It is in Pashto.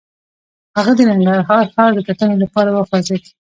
هغه د ننګرهار ښار د کتنې لپاره وخوځېد.